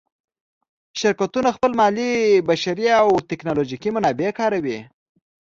شرکتونه خپل مالي، بشري او تکنالوجیکي منابع کاروي.